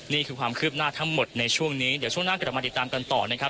นี่คือความคืบหน้าทั้งหมดในช่วงนี้เดี๋ยวช่วงหน้ากลับมาติดตามกันต่อนะครับ